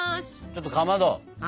ちょっとかまど。は？